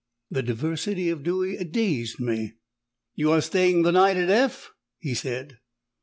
The diversity of Dewy dazed me. "You are staying the night at F ?" he said.